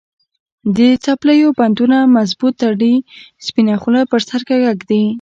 د څپلیو بندونه مضبوط تړي، سپینه خولې پر سر کږه ږدي.